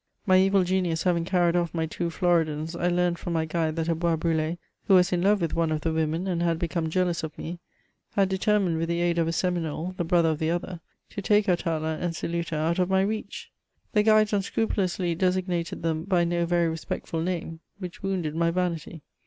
My evil genius having carried off my two Floridans, I learned from my guide that a Bois^BruU^ who was in love with one of the women, and had become jealous of me, had determined, with the aid of a Seminole, the brother of the other, to take Atala and CSluta out of my reach. The guides unscrupulously designated them by no very respectful name, which wounded my vanity.